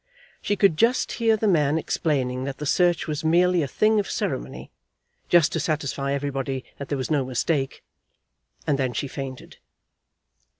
She could just hear the man explaining that the search was merely a thing of ceremony, just to satisfy everybody that there was no mistake; and then she fainted.